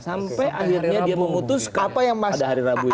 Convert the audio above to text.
sampai akhirnya dia memutuskan pada hari rabu itu